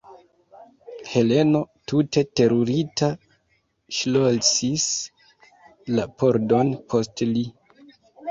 Heleno, tute terurita, ŝlosis la pordon post li.